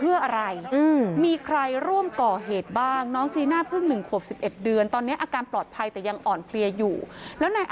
หรือไม่ทราบร่วมถึงไอ้รถเก่งสีดำพ่อรู้จักฮะ